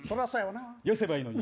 『よせばいいのに』。